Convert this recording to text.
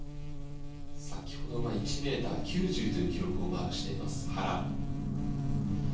先ほどは１メートル９０という記録をマークしています原。